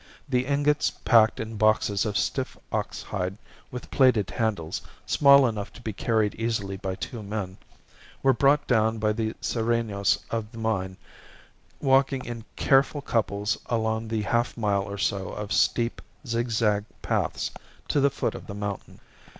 The ingots packed in boxes of stiff ox hide with plaited handles, small enough to be carried easily by two men, were brought down by the serenos of the mine walking in careful couples along the half mile or so of steep, zigzag paths to the foot of the mountain.